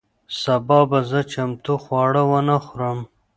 سبا به زه چمتو خواړه ونه خورم.